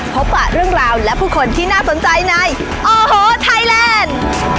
พบปะเรื่องราวและผู้คนที่น่าสนใจในโอ้โหไทยแลนด์